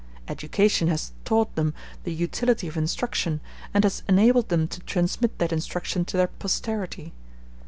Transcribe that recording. Education has taught them the utility of instruction, and has enabled them to transmit that instruction to their posterity.